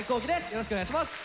よろしくお願いします。